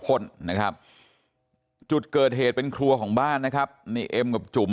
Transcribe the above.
พ่นนะครับจุดเกิดเหตุเป็นครัวของบ้านนะครับนี่เอ็มกับจุ๋ม